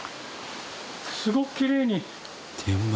すごくきれいに。